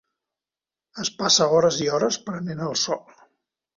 Es passa hores i hores prenent el sol.